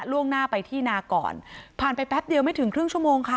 ล่วงหน้าไปที่นาก่อนผ่านไปแป๊บเดียวไม่ถึงครึ่งชั่วโมงค่ะ